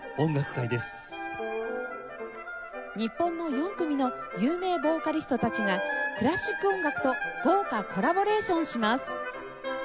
日本の４組の有名ヴォーカリストたちがクラシック音楽と豪華コラボレーションします。